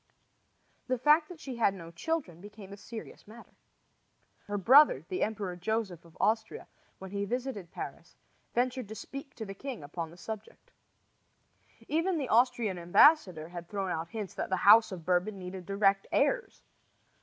The fact that she had no children became a serious matter. Her brother, the Emperor Joseph of Austria, when he visited Paris, ventured to speak to the king upon the subject. Even the Austrian ambassador had thrown out hints that the house of Bourbon needed direct heirs.